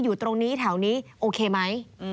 อยู่ตรงนี้แถวนี้โอเคไหม